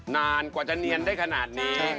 นานกว่าจะเนียนได้ขนาดนี้